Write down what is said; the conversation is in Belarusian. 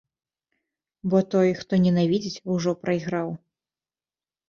Бо той, хто ненавідзіць, ужо прайграў.